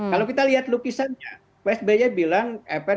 kalau kita lihat lukisannya pak sby bilang